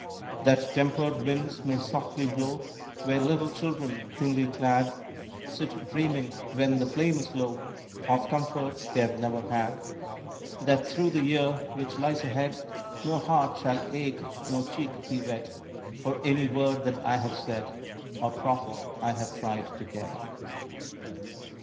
That tempered winds may softly blow Where little children, thinly clad, Sit dreaming, when the flame is low, Of comforts they have never had. That through the year which lies ahead No heart shall ache, no cheek be wet, For any word that I have said Or profit I have tried to get.